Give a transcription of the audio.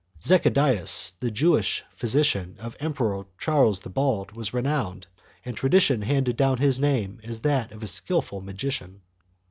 Zedechias, the Jewish physician of the Emperor Charles the Bald, was renowned, and tradition handed down his name as that of a skilful magician.